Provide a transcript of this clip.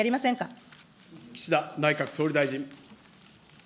岸田内閣総理大臣。